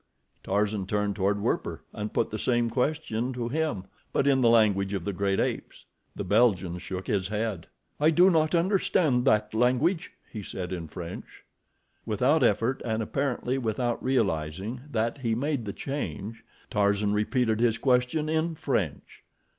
Tarzan turned toward Werper and put the same question to him; but in the language of the great apes. The Belgian shook his head. "I do not understand that language," he said in French. Without effort, and apparently without realizing that he made the change, Tarzan repeated his question in French.